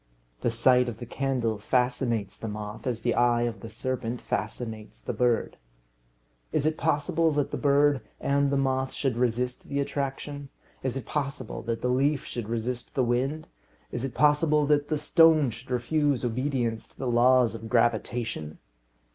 The sight of the candle fascinates the moth as the eye of the serpent fascinates the bird. Is it possible that the bird and the moth should resist the attraction? Is it possible that the leaf should resist the wind? Is it possible that the stone should refuse obedience to the laws of gravitation?